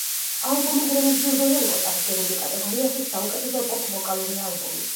ალბომი გრემის ჯილდოზე იყო წარდგენილი კატეგორიაში საუკეთესო პოპ ვოკალური ალბომი.